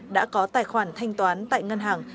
đã có tài khoản thanh toán tại ngân hàng